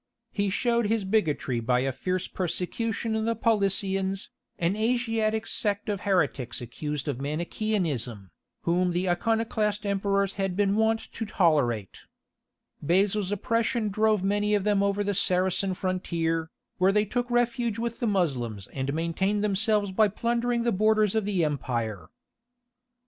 He showed his bigotry by a fierce persecution of the Paulicians, an Asiatic sect of heretics accused of Manicheanism, whom the Iconoclast emperors had been wont to tolerate. Basil's oppression drove many of them over the Saracen frontier, where they took refuge with the Moslems and maintained themselves by plundering the borders of the empire.